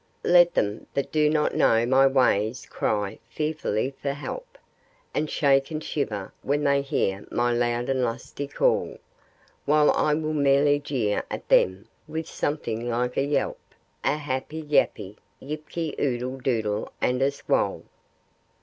Let them that do not know my ways cry fearfully for help, And shake and shiver when they hear my loud and lusty call; While I will merely jeer at them with something like a yelp, A happy, yappy yip ky, oodle doodle, and a squall.